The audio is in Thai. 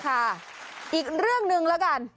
ค่ะอีกเรื่องนึงละกัน